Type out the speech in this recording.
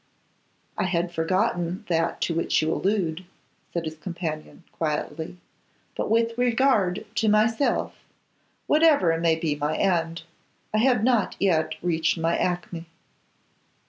'I had forgotten that to which you allude,' said his companion, quietly. 'But with regard to myself, whatever may be my end, I have not yet reached my acme.